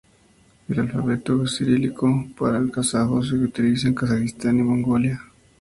El alfabeto cirílico para el kazajo se utiliza en Kazajistán y Mongolia.